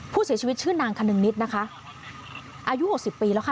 ผู้เสียชีวิตชื่อนางคนึงนิดนะคะอายุหกสิบปีแล้วค่ะ